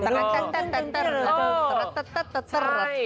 ตั้นตั้นตะนตั้นตะหระตะตะตะจร้ะ